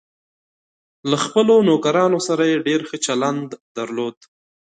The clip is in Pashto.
له خپلو نوکرانو سره یې ډېر ښه چلند درلود.